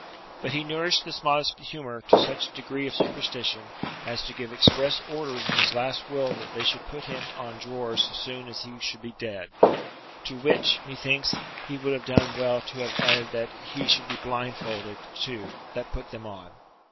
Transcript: But he nourished this modest humour to such a degree of superstition as to give express orders in his last will that they should put him on drawers so soon as he should be dead; to which, methinks, he would have done well to have added that he should be blindfolded, too, that put them on.